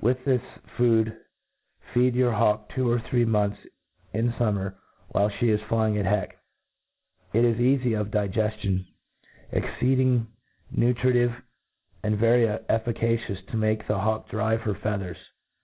With this food feed your hawk two or three months in fummer while flic IS flying at heck. It is eafy of digeftion, exceed ing nutritive, and very efEcacious to make the hawk drive her feathers.